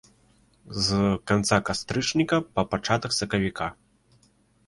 З канца кастрычніка па пачатак сакавіка.